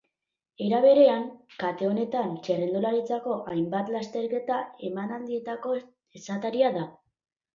Era berean, kate honetan txirrindularitzako hainbat lasterketa emanaldietako esataria da.